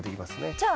じゃあ。